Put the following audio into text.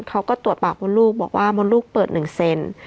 เขาก็ตรวจปากมดลูกบอกว่ามดลูกเปิด๑เซน